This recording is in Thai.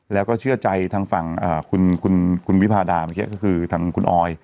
และเชื่อใจทางฝั่งคุณวิภาดาเป็นทางคุณออย